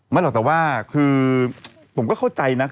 หรอกแต่ว่าคือผมก็เข้าใจนะ